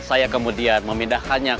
kalau mau lipat jangan lupakan